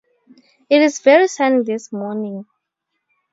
It is very sunny this morning.